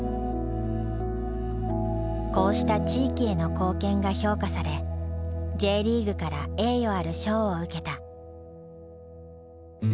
こうした地域への貢献が評価されＪリーグから栄誉ある賞を受けた。